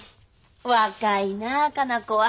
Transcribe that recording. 若いな佳奈子は。